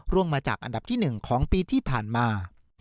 มาจากอันดับที่๑ของปีที่ผ่านมา